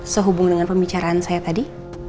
sehubung dengan pembicaraan saya tadi